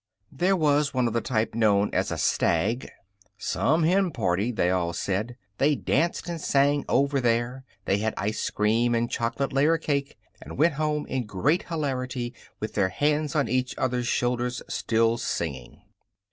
There was one of the type known as a stag. "Some hen party!" they all said. They danced, and sang "Over There." They had ice cream and chocolate layer cake and went home in great hilarity, with their hands on each other's shoulders, still singing.